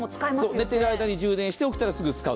出ている間に充電して起きたらすぐ使う。